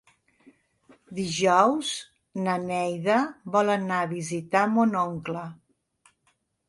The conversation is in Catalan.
Dijous na Neida vol anar a visitar mon oncle.